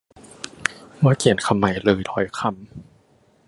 ว่าเขียนคำใหม่เลยร้อยคำ